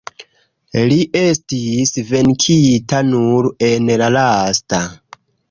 Li estis venkita nur en la lasta.